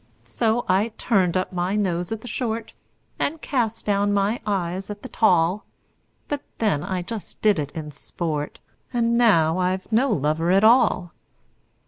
So I turned up my nose at the short, And cast down my eyes at the tall; But then I just did it in sport And now I've no lover at all!